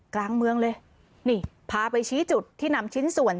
กลางเมืองเลยนี่พาไปชี้จุดที่นำชิ้นส่วน